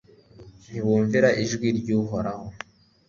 ntibumvira ijwi ry'uhoraho